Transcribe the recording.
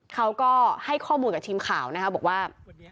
เขาก็ให้ข้อมูลกับทีมข่าวนะคะบอกว่า